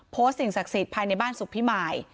โพสต์สิ่งศักดิ์สิทธิ์ภายในบ้านสุภิมัย